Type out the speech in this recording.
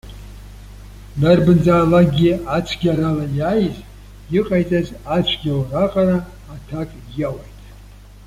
Дарбанзаалакгьы ацәгьарала иааиз, иҟаиҵаз ацәгьаура аҟара аҭак иоуеит.